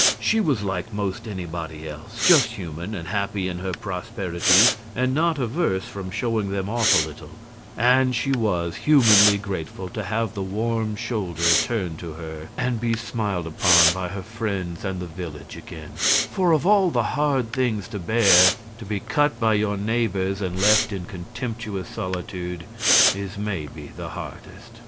She was like 'most anybody else just human, and happy in her prosperities and not averse from showing them off a little; and she was humanly grateful to have the warm shoulder turned to her and be smiled upon by her friends and the village again; for of all the hard things to bear, to be cut by your neighbors and left in contemptuous solitude is maybe the hardest.